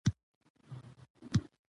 کندز سیند د افغانستان د اقتصاد یوه برخه ده.